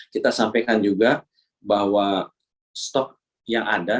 kita sampaikan juga bahwa stok yang ada